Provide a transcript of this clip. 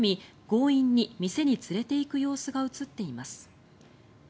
強引に店に連れていく様子が映っています。